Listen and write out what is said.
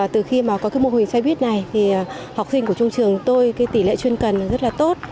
từ khi có mô hình xe buýt này học sinh của trung trường tôi tỷ lệ chuyên cần rất tốt